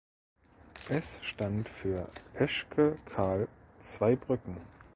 Es stand für „Peschke Karl Zweibrücken“.